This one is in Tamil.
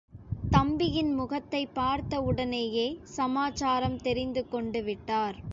தம்பியின் முகத்தைப் பார்த்தவுடனேயே சமாசாரம் தெரிந்து கொண்டுவிட்டார்.